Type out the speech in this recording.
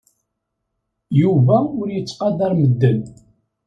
Yuba ur yettqadar medden.